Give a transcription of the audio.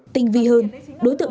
tinh vi hơn